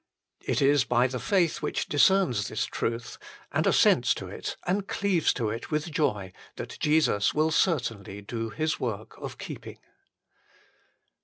It is by the faith which discerns this truth, and assents to it, and cleaves to it with joy, that Jesus will certainly do His work of keeping.